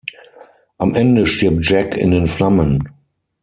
Am Ende stirbt Jack in den Flammen.